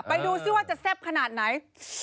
ไปดูซิว่าจะแซ่บขนาดไหน